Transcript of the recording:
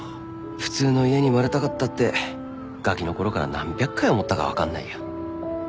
普通の家に生まれたかったってがきのころから何百回思ったか分かんないよ。